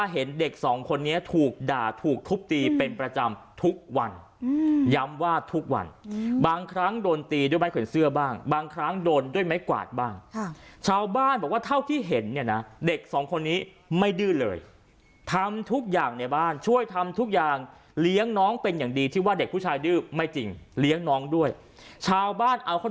เห็นเด็กสองคนนี้ถูกด่าถูกทุบตีเป็นประจำทุกวันย้ำว่าทุกวันบางครั้งโดนตีด้วยไม้ขนเสื้อบ้างบางครั้งโดนด้วยไม้กวาดบ้างชาวบ้านบอกว่าเท่าที่เห็นเนี่ยนะเด็กสองคนนี้ไม่ดื้อเลยทำทุกอย่างในบ้านช่วยทำทุกอย่างเลี้ยงน้องเป็นอย่างดีที่ว่าเด็กผู้ชายดื้อไม่จริงเลี้ยงน้องด้วยชาวบ้านเอาเขา